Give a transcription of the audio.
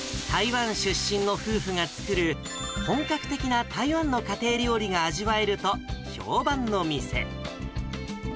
台湾出身の夫婦が作る、本格的な台湾の家庭料理が味わえると評判の店。